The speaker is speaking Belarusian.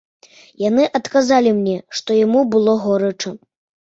Яны адказалі мне, што яму было горача.